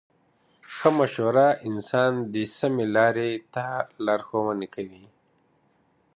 ښه مشوره انسان د سمې لارې ته لارښوونه کوي.